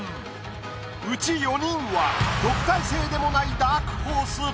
うち４人は特待生でもないダークホース。